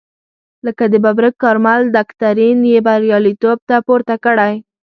لکه د ببرک کارمل دکترین یې بریالیتوب ته پورته کړی.